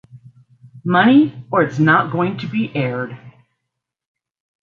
Money, or it’s not going to be aired!